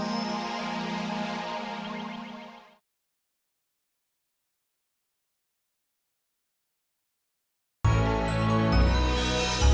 memberkati bondariam bedah ekito